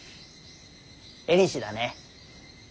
えにしだね。